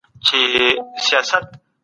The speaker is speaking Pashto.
ښاري خلک د لوږې له امله ستونزې تجربه کړې.